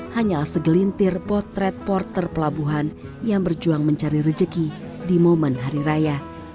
hanyalah segelintir potret porter pelabuhan yang berjuang mencari rejeki di momen hari raya